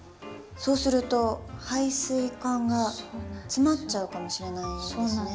そうすると配水管が詰まっちゃうかもしれないですね。